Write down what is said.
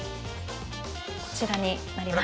◆こちらになります。